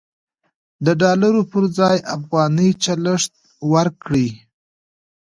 د ډالرو پر ځای افغانۍ چلښت ورکړئ.